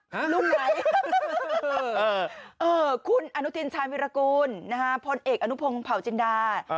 หะคุณออนุทินชายมิรกุรพ้นเอกอนุพวงเผาจินด้า